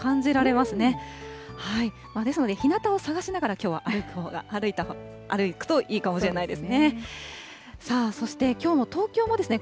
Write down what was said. ですので、ひなたを探しながら、きょうは歩くといいかもしれないですね。